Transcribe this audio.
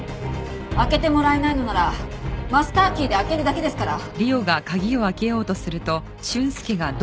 開けてもらえないのならマスターキーで開けるだけですから。